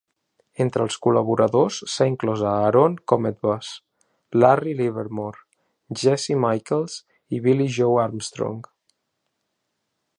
Entre els col·laboradors s'ha inclòs a Aaron Cometbus, Larry Livermore, Jesse Michaels, i Billie Joe Armstrong